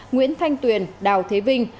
nguyễn thanh tuyền đào thế vinh